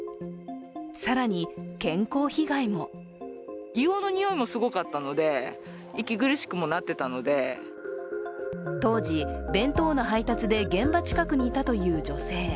更に健康被害も当時、弁当の配達で現場近くにいたという女性。